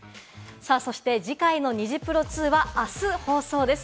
そして次回のニジプロ２はあす放送です。